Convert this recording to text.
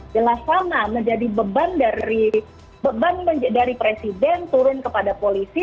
jelas sama menjadi beban dari presiden turun kepada polisi